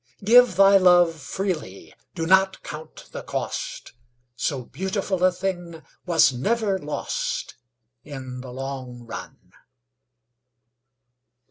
Give thy love freely; do not count the cost; So beautiful a thing was never lost In the long run.